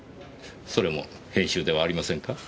それも編集ではありませんか？